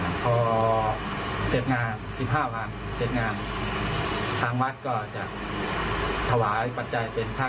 พอเสร็จงานสิบห้าวันเสร็จงานทางวัดก็จะถวายปัจจัยเป็นค่า